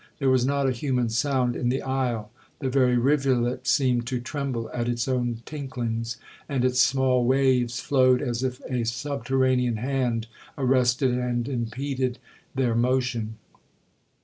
There was not a human sound in the isle; the very rivulet seemed to tremble at its own tinklings, and its small waves flowed as if a subterranean hand arrested and impeded their motion.